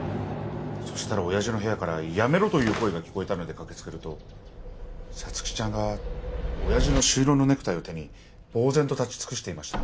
親父の部屋から「やめろ」という声が聞こえたので駆けつけると皐月ちゃんが親父の朱色のネクタイを手にぼう然と立ちつくしていました